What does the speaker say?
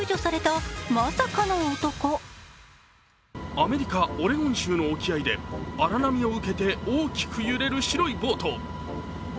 アメリカ・オレゴン州の沖合で、荒波を受けて大きく揺れる白いボート。